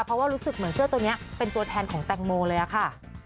เพราะว่ารู้สึกเหมือนเสื้อตัวนี้เป็นตัวแทนของแตงโมเลยอะค่ะ